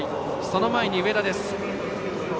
その前に、上田です。